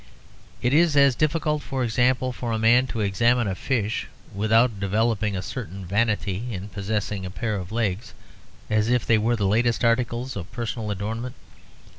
It is as difficult, for example, for a man to examine a fish without developing a certain vanity in possessing a pair of legs, as if they were the latest article of personal adornment.